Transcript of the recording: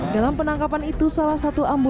dalam penangkapan itu salah satu ambulans ditahan